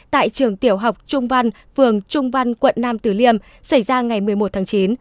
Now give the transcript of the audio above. tại trường tiểu học trung văn phường trung văn quận nam tử liêm xảy ra ngày một mươi một tháng chín